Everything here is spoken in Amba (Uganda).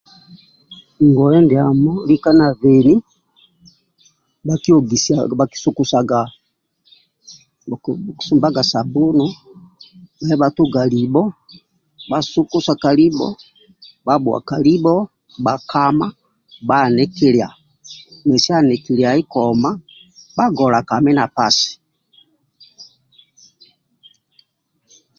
Ngoye ndiamo lika nabeni bha kihogisaga bhakisukusaga oku subaga sabunu bha Tunga libho bha sukusa ka libho bha bhuwa kalibho bha kama bha hanikiliya mesiya hanikiliyayi ahoma bha gola kami na pasi